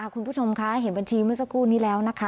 คุณผู้ชมคะเห็นบัญชีเมื่อสักครู่นี้แล้วนะคะ